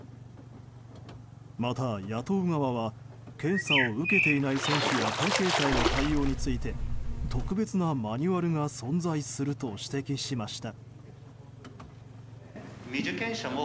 また、野党側は検査を受けていない選手や関係者への対応について特別なマニュアルが存在すると指摘しました。